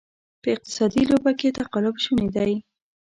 په اقتصادي لوبه کې تقلب شونې دی.